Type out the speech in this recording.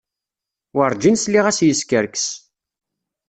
Werǧin sliɣ-as yeskerkes.